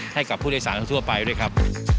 ให้กับผู้โดยสารทั่วไปด้วยครับ